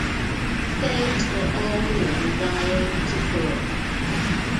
Thanks for all the undying support.